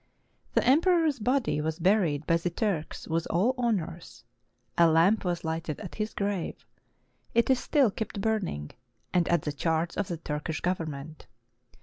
The emperor's body was buried by the Turks with all hon ors. A lamp was lighted at his grave. It is still kept burn ing, and at the charge of the Turkish Government.